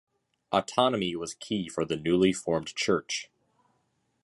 Autonomy was key for the newly formed church.